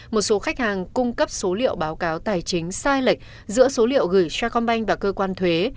một số khách hàng cung cấp số liệu báo cáo tài chính sai lệch giữa số liệu gửi sa công banh và cơ quan thuế